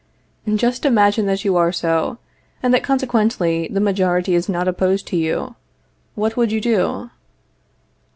Just imagine that you are so, and that consequently the majority is not opposed to you, what would you do?